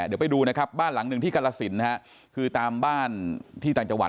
เดี๋ยวไปดูนะครับบ้านหลังหนึ่งที่กรสินนะฮะคือตามบ้านที่ต่างจังหวัด